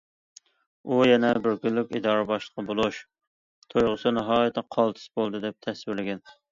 ئۇ يەنە:« بىر كۈنلۈك ئىدارە باشلىقى بولۇش» تۇيغۇسى ناھايىتى قالتىس بولدى دەپ تەسۋىرلىگەن.